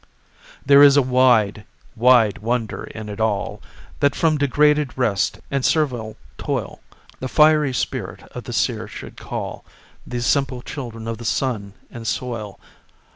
There is a wide, wide wonder in it all, That from degraded rest and servile toil The fiery spirit of the seer should call These simple children of the sun and soil.